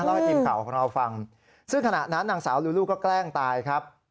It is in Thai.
ให้ทีมข่าวของเราฟังซึ่งขณะนั้นนางสาวลูลูก็งตายครับ